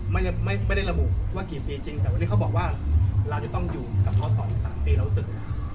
ไม่ได้ไม่ได้ระบุว่ากี่ปีจริงแต่วันนี้เขาบอกว่าเราจะต้องอยู่กับเขาตอน๓ปีเรารู้สึก